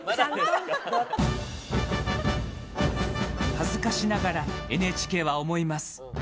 恥ずかしながらＮＨＫは思います。